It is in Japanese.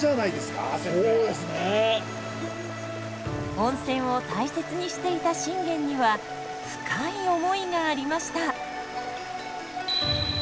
温泉を大切にしていた信玄には深い思いがありました。